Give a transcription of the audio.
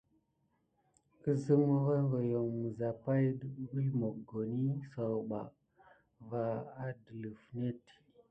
Əzeme hogohokio misapay ɗe kubelā mokoni sawuba va adelif net.